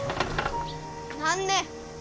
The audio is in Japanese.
何ね。